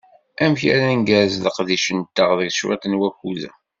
Amek ara ngerrez leqdic-nteɣ deg cwiṭ n wakud-a?